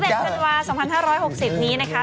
๓๑เดือนวาส์๒๕๖๐นี้นะคะ